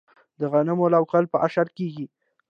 د غنمو لو کول په اشر کیږي.